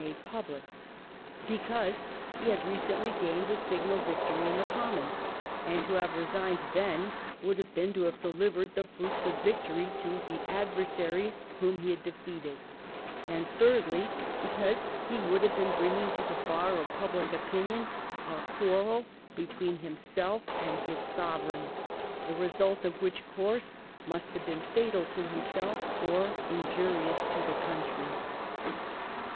189 made public ; because be had recently gained a signal Tictory in the Commons^ and to have resigned then would have been to have delivered the fruits of victory to the adversaries whom he had defeated ; and thirdly, because he would have been bringing to the bar of public opinion, a quarrel between himself and his Sovereign, the result of which course must have been fatal to himself or injurious to his country.